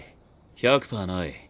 １００％ない。